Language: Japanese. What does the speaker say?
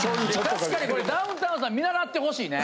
確かにこれダウンタウンさん見習ってほしいね。